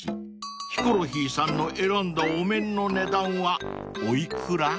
［ヒコロヒーさんの選んだお面の値段はお幾ら？］